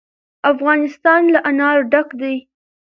افغانستان له انار ډک دی.